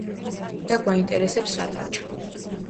და გვაინტერესებს რა დარჩა.